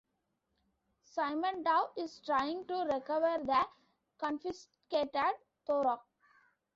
Simentov is trying to recover the confiscated Torah.